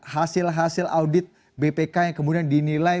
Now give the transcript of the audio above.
hasil hasil audit bpk yang kemudian dinilai